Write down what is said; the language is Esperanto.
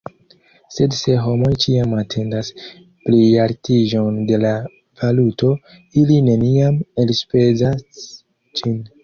Sed se homoj ĉiam atendas plialtiĝon de la valuto, ili neniam elspezas ĝin.